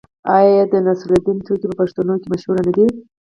آیا د نصرالدین ټوکې په پښتنو کې مشهورې نه دي؟